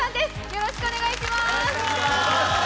よろしくお願いします。